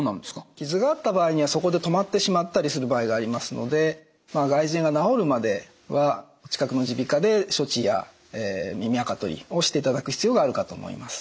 傷があった場合にはそこで止まってしまったりする場合がありますので外耳炎が治るまではお近くの耳鼻科で処置や耳あか取りをしていただく必要があるかと思います。